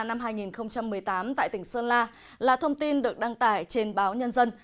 năm hai nghìn một mươi tám tại tỉnh sơn la là thông tin được đăng tải trên báo nhân dân